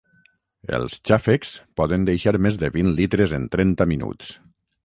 Els xàfecs poden deixar més de vint litres en trenta minuts.